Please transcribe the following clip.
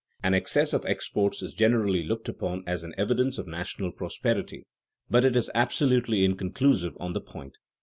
An excess of exports is generally looked upon as an evidence of national prosperity; but it is absolutely inconclusive on the point.